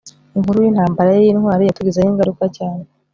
inkuru yintambara ye yintwari yatugizeho ingaruka cyane